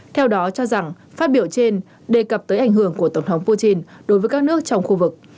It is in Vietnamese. theo đó cho rằng phát biểu trên đề cập tới ảnh hưởng của tổng thống putin đối với các nước trong khu vực